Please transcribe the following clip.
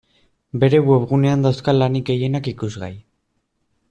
Bere webgunean dauzka lanik gehienak ikusgai.